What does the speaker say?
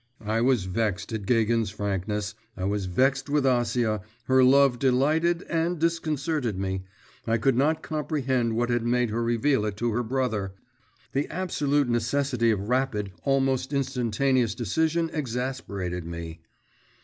I was vexed at Gagin's frankness, I was vexed with Acia, her love delighted and disconcerted me, I could not comprehend what had made her reveal it to her brother; the absolute necessity of rapid, almost instantaneous decision exasperated me.